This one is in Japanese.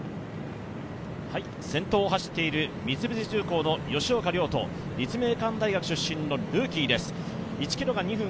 先頭を走っている三菱重工の吉岡遼人、立命館大学出身のルーキーです。